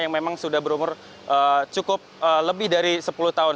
yang memang sudah berumur cukup lebih dari sepuluh tahun